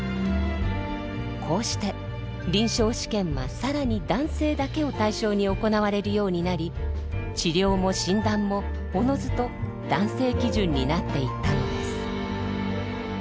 こうして臨床試験は更に男性だけを対象に行われるようになり治療も診断もおのずと男性基準になっていったのです。